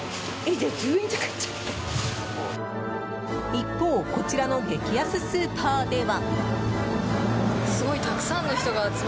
一方こちらの激安スーパーでは。